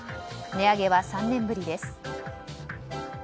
値上げは３年ぶりです。